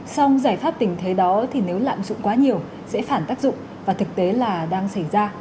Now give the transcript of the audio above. xong giải pháp tình thế đó thì nếu lạm dụng quá nhiều sẽ phản tác dụng và thực tế là đang xảy ra